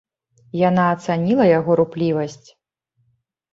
Яна ацаніла яго руплівасць.